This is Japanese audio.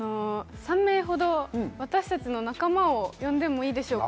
３名ほど私達の仲間を呼んでもいいでしょうか？